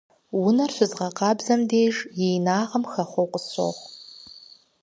Унэр щызгъэкъабзэм деж и инагъым хэхъуэу къысщохъу.